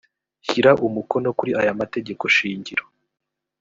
shyira umukono kuri aya mategeko shingiro